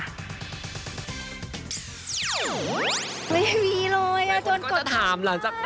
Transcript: ไม่มีเลยจนกดถาม